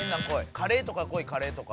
カレーとか来いカレーとか。